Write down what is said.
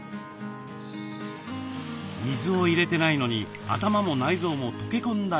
水を入れてないのに頭も内臓も溶け込んだ